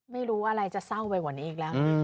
ไม่รู้อะไรจะเศร้าไปกว่านี้ไม่งะ